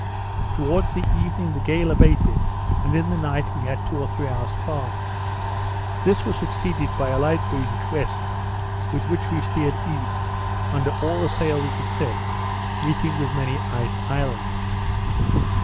Towards the evening the gale abated, and in the night we had two or three hours calm. This was succeeded by a light breeze at west, with which we steered east, under all the sail we could set, meeting with many ice islands.